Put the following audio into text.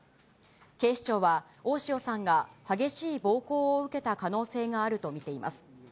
警視庁は、大塩さんが激しい暴行を受けた可能性があると見ています。